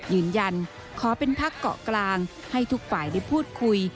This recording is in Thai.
ยืนยันขอเป็นพักเกาะกลางให้ทุกฝ่ายได้พูดคุย